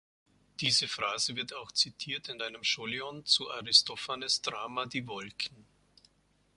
Diese Phrase wird auch zitiert in einem Scholion zu Aristophanes' Drama "Die Wolken".